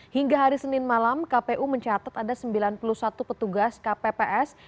hingga hari senin malam kpu mencatat ada sembilan puluh satu petugas kpps